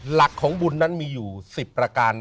หลักของบุญนั้นมีอยู่๑๐ประการ